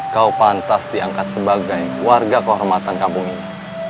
kau pantas diangkat sebagai warga kehormatan kampung ini